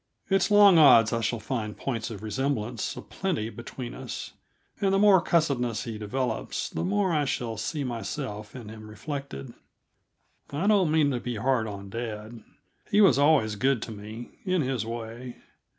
It's long odds I shall find points of resemblance a plenty between us and the more cussedness he develops, the more I shall see myself in him reflected. I don't mean to be hard on dad. He was always good to me, in his way.